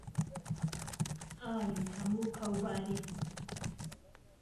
ئای ههموو قهوباریک